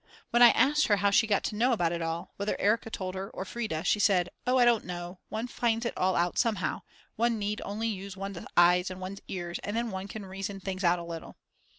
When I asked her how she got to know about it all, whether Erika told her or Frieda, she said: "Oh, I don't know; one finds it all out somehow; one need only use one's eyes and one's ears, and then one can reason things out a little."